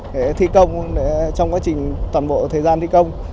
để thi công trong quá trình toàn bộ thời gian thi công